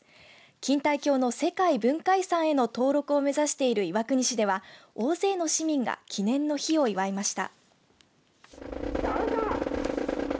錦帯橋の世界文化遺産への登録を目指している岩国市では大勢の市民が記念の日を祝いました。